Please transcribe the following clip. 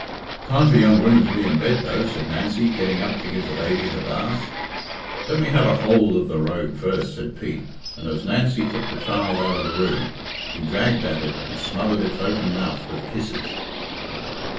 "Time for young women to be in bed, though," said Nancy, getting up to give the baby her bath. "Let me have a hould of the rogue first," said Pete, and as Nancy took the child out of the room, he dragged at it and smothered its open mouth with kisses.